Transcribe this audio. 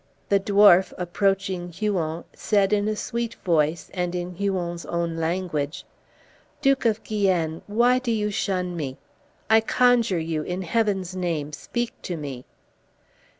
The dwarf, approaching Huon, said, in a sweet voice, and in Huon's own language, "Duke of Guienne, why do you shun me? I conjure you, in Heaven's name, speak to me."